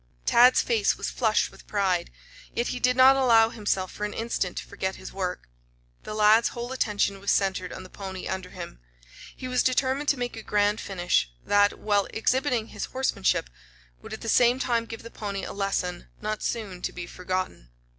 Tad's face was flushed with pride. Yet he did not allow himself for an instant to forget his work. The lad's whole attention was centered on the pony under him. He was determined to make a grand finish that, while exhibiting his horsemanship, would at the same time give the pony a lesson not soon to be forgotten.